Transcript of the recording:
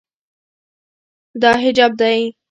دا حجاب ده.